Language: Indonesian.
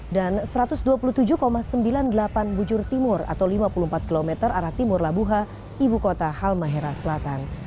dan satu ratus dua puluh tujuh sembilan puluh delapan bujur timur atau lima puluh empat km arah timur labuha ibu kota halmahera selatan